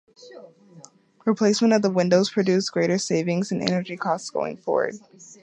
Replacement of the windows produced greater savings in energy costs going forward.